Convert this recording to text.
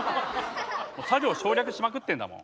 作業省略しまくってんなもう。